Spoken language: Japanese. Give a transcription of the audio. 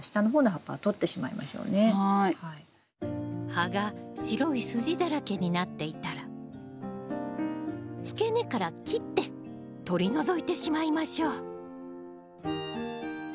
葉が白い筋だらけになっていたら付け根から切って取り除いてしまいましょう。